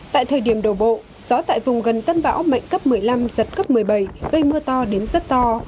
tại thời điểm đổ bộ gió tại vùng gần tâm bão mạnh cấp một mươi năm giật cấp một mươi bảy gây mưa to đến rất to